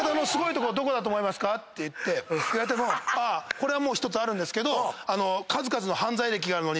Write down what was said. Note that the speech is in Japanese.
これは１つあるんですけど。